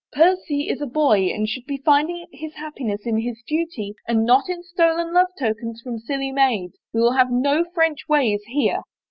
" Percy is a boy and should be finding his happiness in his duty and not in stolen love tokens from silly maids. We will have no French ways here."